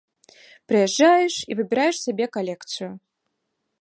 Прыязджаеш і выбіраеш сабе калекцыю.